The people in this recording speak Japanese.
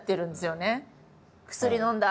「薬のんだ？」